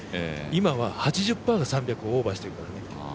今は８０％が３００オーバーしてるからね。